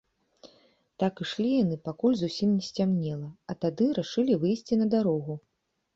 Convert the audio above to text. Так ішлі яны, пакуль зусім не сцямнела, а тады рашылі выйсці на дарогу.